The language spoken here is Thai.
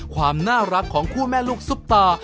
ความน่ารักของคู่แม่ลูกซุปตา